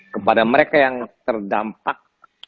kepada mereka yang terdampak